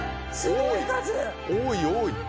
多い多い。